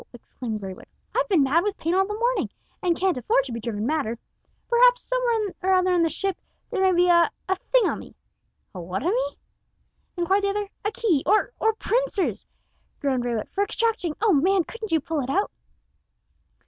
exclaimed Raywood. "I've been mad with pain all the morning, and can't afford to be driven madder. Perhaps, somewhere or other in the ship there may be a a thingumy." "A whatumy?" inquired the other. "A key, or or pincers," groaned Raywood, "for extracting oh! man, couldn't you pull it out?"